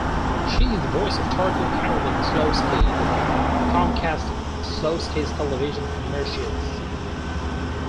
She is the voice of turtle Karolyn Slowsky in the Comcast Slowskys television commercials.